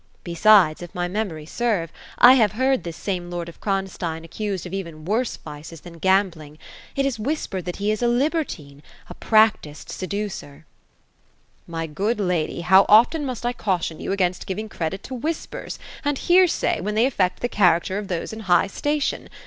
Besides, if my memory serve, I have heard this same lord of Kronstein accused of even worse vices than gambling. It is whispered that he is a libertine, — a practised seducer." " My good lady, how often must I caution you against giving credit to whispers, and hear say, when they affect the character of those in high station.